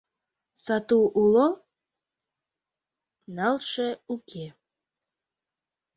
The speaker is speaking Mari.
Сату уло — налше уке.